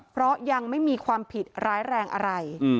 เพราะยังไม่มีความผิดร้ายแรงอะไร